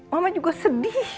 mama juga sedih